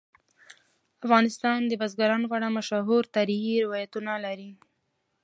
افغانستان د بزګان په اړه مشهور تاریخی روایتونه لري.